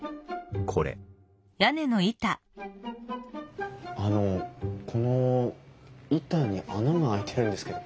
これあのこの板に穴が開いてるんですけど。